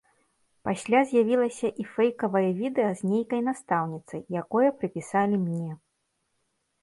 Пасля з'явілася і фэйкавае відэа з нейкай настаўніцай, якое прыпісалі мне.